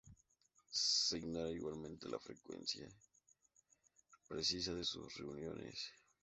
Se ignora igualmente la frecuencia precisa de sus reuniones.